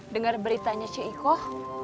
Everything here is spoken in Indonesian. dengar beritanya si iqoh